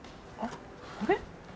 あれ？